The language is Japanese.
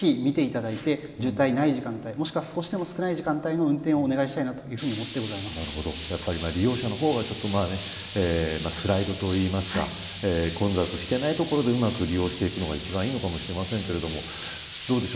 ぜひ見ていただいて渋滞のない時間帯、もしくは少ない時間帯の運転をお願いしたいと利用者の方がスライドというか混雑していないところでうまく利用していくのが一番いいのかもしれません。